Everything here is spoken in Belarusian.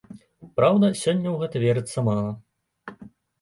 Праўда, сёння ў гэта верыцца мала.